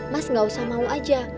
mas gak usah mau aja